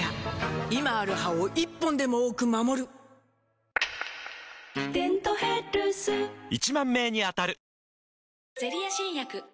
今ある歯を１本でも多く守る「デントヘルス」１０，０００名に当たる！